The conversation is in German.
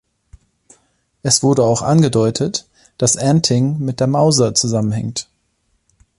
Es wurde auch angedeutet, dass Anting mit der Mauser zusammenhängt.